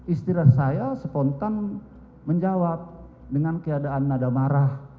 istilah saya spontan menjawab dengan keadaan nada marah